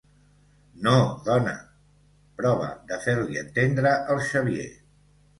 No, dona —prova de fer-li entendre el Xavier—.